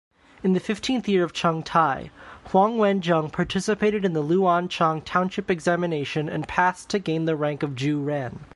In the fifteenth year of Chengtai, Huang Wenzheng participated in the Lu'anchang Township Examination, and passed to gain the rank of Juren.